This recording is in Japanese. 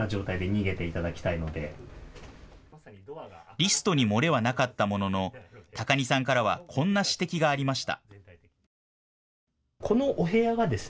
リストに漏れはなかったものの高荷さんからはこんな指摘がありました。